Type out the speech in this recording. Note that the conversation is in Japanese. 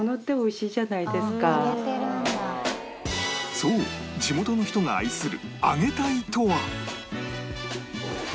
そう地元の人が愛するあげたいとは